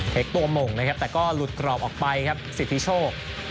ตัวหม่งนะครับแต่ก็หลุดกรอบออกไปครับสิทธิโชค